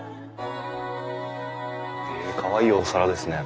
へえかわいいお皿ですね。